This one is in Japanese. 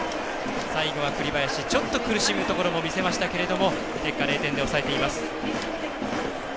最後は栗林、ちょっと苦しむところも見せましたけども結果、０点で抑えています。